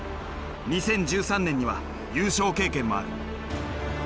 ２０１３年には優勝経験もある。